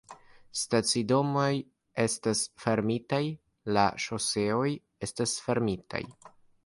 Stacidomoj estas fermitaj, la ŝoseoj estas fermitaj